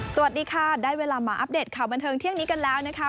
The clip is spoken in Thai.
สวัสดีค่ะได้เวลามาอัปเดตข่าวบันเทิงเที่ยงนี้กันแล้วนะคะ